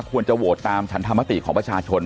ควรจะโหวตตามฉันธรรมติของประชาชน